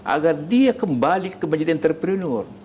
agar dia kembali ke menjadi entrepreneur